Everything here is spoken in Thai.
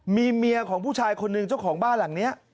มีเมียของผู้ชายคนหนึ่งเจ้าของบ้านหลังนี้